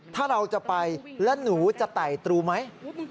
ถ้าเราจะไปแล้วหนูจะไต่ตรูไหม